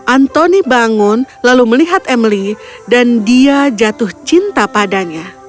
anthony bangun lalu melihat emily dan dia jatuh cinta padanya